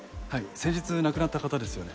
先日亡くなった方ですよね。